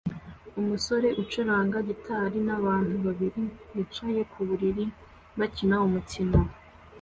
Umusore ucuranga gitari nabantu babiri bicaye ku buriri bakina umukino